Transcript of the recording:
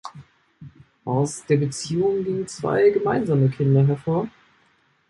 Aus der Beziehung gingen zwei gemeinsame Kinder hervor.